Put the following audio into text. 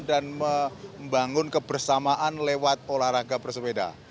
dan membangun kebersamaan lewat olahraga pesepeda